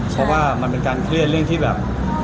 เพราะว่ามันเป็นการเครียดเรื่องที่แบบ